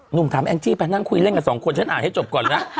หนุ่มถามแองจี้ไปนั่งคุยเล่นกับสองคนฉันอ่านให้จบก่อนนะ